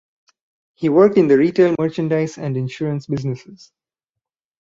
He worked in the retail merchandise and insurance businesses.